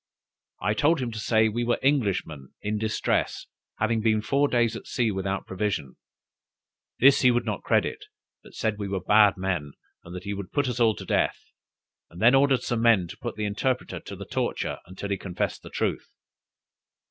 I told him to say we were Englishmen in distress, having been four days at sea without provisions. This he would not credit, but said we were bad men, and that he would put us all to death; and then ordered some men to put the interpreter to the torture until he confessed the truth.